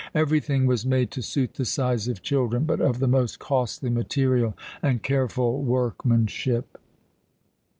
Everything was made to suit the size of children, but of the most costly material and careful workmanship.